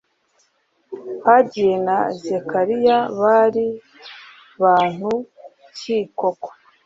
hagayi na zekariya bari bantu ki koko